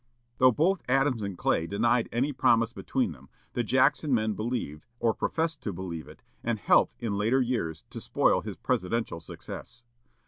Though both Adams and Clay denied any promise between them, the Jackson men believed, or professed to believe it, and helped in later years to spoil his presidential success.